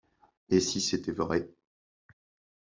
Et si c'était vrai...